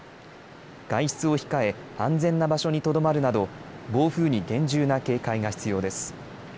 外出を控え、安全な場所にとどまるなど暴風に厳重な警戒が必要です。